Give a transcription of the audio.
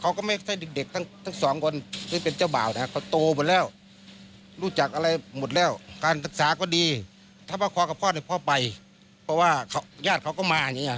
เขาก็ไม่ใช่เด็กทั้งสองคนที่เป็นเจ้าบ่าวนะครับเขาโตหมดแล้วรู้จักอะไรหมดแล้วการศึกษาก็ดีถ้าพ่อคอกับพ่อเนี่ยพ่อไปเพราะว่าญาติเขาก็มาอย่างนี้